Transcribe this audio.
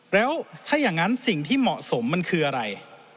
แล้วถ้าอย่างนั้นสิ่งที่เหมาะสมมันคืออะไร